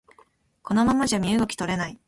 このままじゃ身動き取れない